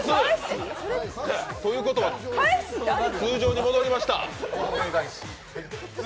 ということは通常に戻りました。